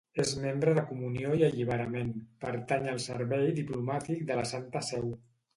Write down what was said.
És membre de Comunió i Alliberament, pertany al Servei Diplomàtic de la Santa Seu.